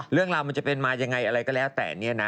เรื่องราวมันจะเป็นมายังไงอะไรก็แล้วแต่เนี่ยนะ